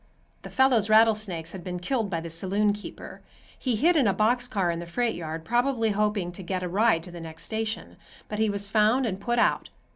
The fellow's rattlesnakes had been killed by the saloon keeper. He hid in a box car in the freight yard, probably hoping to get a ride to the next station, but he was found and put out.